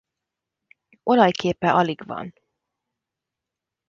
Olajképe alig van.